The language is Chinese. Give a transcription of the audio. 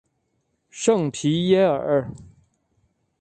圣皮耶尔。